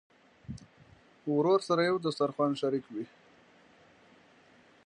ورور سره یو دسترخوان شریک وي.